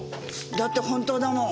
だって本当だもん。